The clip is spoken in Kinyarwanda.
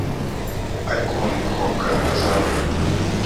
ariko uwo mukobwa azabura